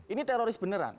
ini teroris beneran